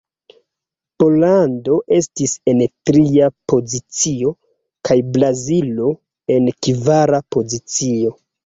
Pollando estis en tria pozicio, kaj Brazilo en kvara pozicio.